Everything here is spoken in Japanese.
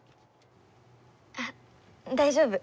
あっ大丈夫。